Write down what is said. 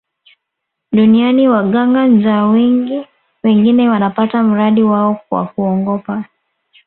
Duniani waganga njaa wengi wengine wanapata mradi wao kwa kuongopa